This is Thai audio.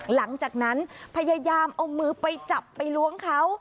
หลังจากนั้นพยายามเอามือไปจับไปล้วงเขา